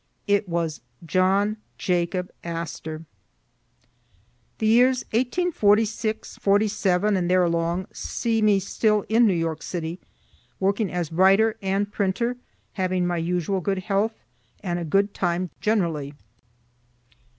It was John Jacob Astor. The years 1846, '47, and there along, see me still in New York City, working as writer and printer, having my usual good health, and a good time generally.